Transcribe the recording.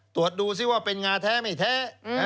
ตรวจดูซิว่าเป็นงาแท้ไม่แท้